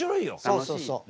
そうそうそう。